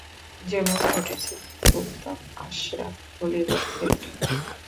যেমন ঘটেছিল সুলতান আশরাফ খলীলের ক্ষেত্রে।